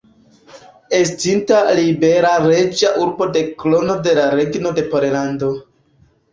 Estinta libera reĝa urbo de Krono de la Regno de Pollando.